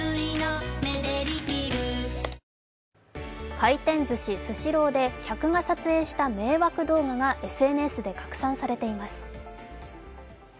回転ずし・スシローで客が撮影した迷惑動画がＳＮＳで拡散されています。